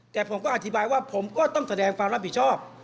แต่ผมก็อธิบายว่าผมก็ต้องแสดงความรับผิดชอบ